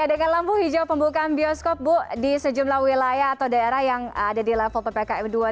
dengan lampu hijau pembukaan bioskop bu di sejumlah wilayah atau daerah yang ada di level ppkm dua